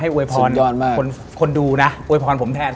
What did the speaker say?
ให้โวยพรคนดูนะโวยพรผมแทน